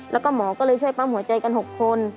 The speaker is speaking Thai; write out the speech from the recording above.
แล้วก็หมอก็เลยช่วยปั๊มหัวใจกัน๖คน